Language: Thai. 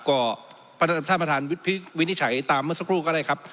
ก็ท่านประธานวินิจฉัยตามเมื่อสักครู่ก็ได้ครับ